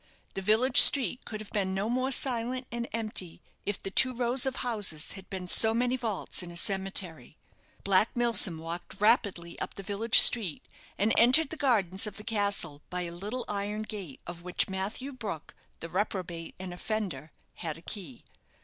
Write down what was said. The village street could have been no more silent and empty if the two rows of houses had been so many vaults in a cemetery. Black Milsom walked rapidly up the village street, and entered the gardens of the castle by a little iron gate, of which Matthew Brook, the reprobate and offender, had a key.